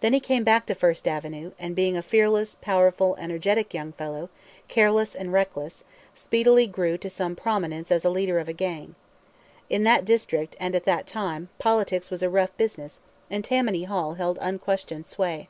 Then he came back to First Avenue, and, being a fearless, powerful, energetic young fellow, careless and reckless, speedily grew to some prominence as leader of a gang. In that district, and at that time, politics was a rough business, and Tammany Hall held unquestioned sway.